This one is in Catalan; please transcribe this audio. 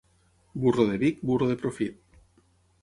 Burro de Vic, burro de profit.